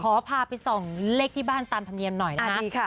พาไปส่องเลขที่บ้านตามธรรมเนียมหน่อยนะฮะดีค่ะ